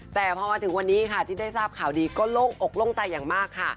แต่พอมาถึงวันนี้ที่ได้ทราบข่าวดีก็อกล้องใจอย่างมาก